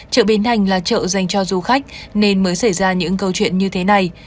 chợ bến thành là chợ dành cho du khách nên mới xảy ra những câu chuyện như thế này